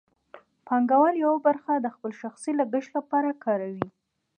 پانګوال یوه برخه د خپل شخصي لګښت لپاره کاروي